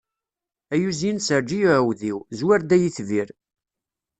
Ay uzyin serǧ i uɛudiw, zwir-d ay itbir.